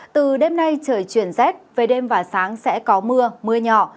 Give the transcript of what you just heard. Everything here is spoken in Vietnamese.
từ đêm nay trời chuyển rét về đêm và sáng sẽ có mưa mưa nhỏ